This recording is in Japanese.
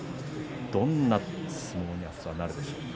どんな相撲に明日はなるでしょうか。